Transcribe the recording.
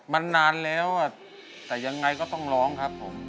มันนานแล้วแต่ยังไงก็ต้องร้องครับผม